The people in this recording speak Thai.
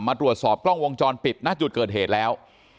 มาตรวจสอบกล้องวงจรปิดณจุดเกิดเหตุแล้ว